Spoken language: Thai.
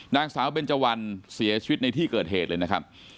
นางสาวเบนเจวันเสียชีวิตในที่เกิดเหตุเลยนะครับ